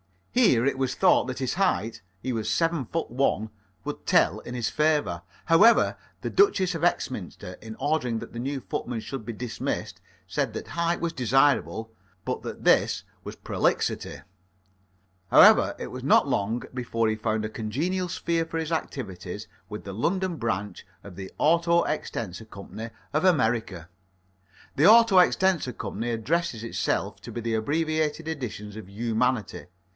Here it was thought that his height he was seven foot one would tell in his favour. However, the Duchess of Exminster, in ordering that the new footman should be dismissed, said that height was desirable, but that this was prolixity. However, it was not long before he found a congenial sphere for his activities with the London branch of the Auto extensor Co. of America. The Auto extensor Co. addresses itself to the abbreviated editions of humanity.